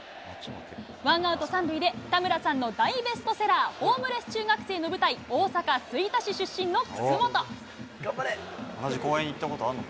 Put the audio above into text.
ワンアウト３塁で、田村さんの大ベストセラー、ホームレス中学生の舞台、大阪・吹田市出身の楠本。